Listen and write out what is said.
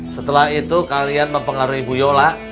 setelah itu kalian mempengaruhi bu yola